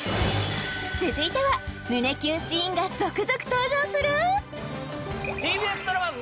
続いては胸キュンシーンが続々登場するやったー！